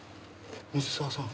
水沢さん。